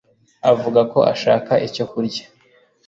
avuga ko ashaka icyo kurya.